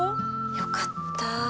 ☎よかった。